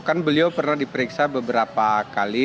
kan beliau pernah diperiksa beberapa kali